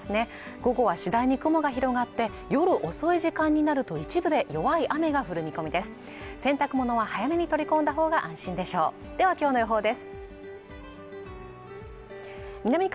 午後は次第に雲が広がって夜遅い時間になると一部で弱い雨が降る見込みです